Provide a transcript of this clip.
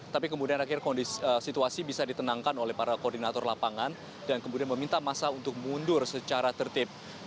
tapi kemudian akhirnya situasi bisa ditenangkan oleh para koordinator lapangan dan kemudian meminta masa untuk mundur secara tertib